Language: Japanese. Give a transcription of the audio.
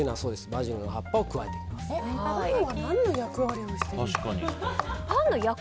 パンは何の役割をしているの？